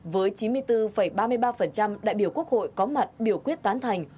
với chín mươi bốn ba mươi ba đại biểu quốc hội có mặt biểu quyết tán thành